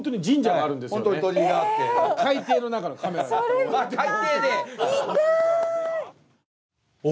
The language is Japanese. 海底の中のカメラでこう。